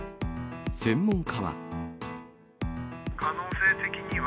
専門家は。